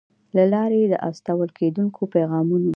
له لارې د استول کېدونکو پیغامونو